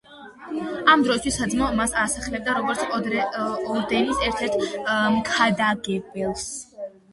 ამ დროისთვის საძმო მას ასახელებდა, როგორც ორდენის ერთ–ერთ მქადაგებელს.